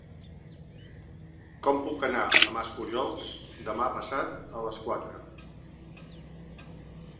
Com puc anar a Maspujols demà passat a les quatre?